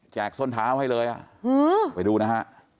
แจกส้นเท้าให้เลยอ่ะฮือไปดูนะฮะ